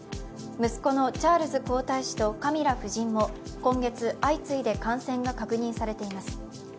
息子のチャールズ皇太子とカミラ夫人も今月、相次いで感染が確認されています。